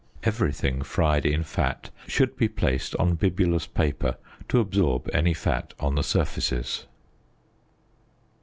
Everything fried in fat should be placed on bibulous paper to absorb any fat on the surfaces.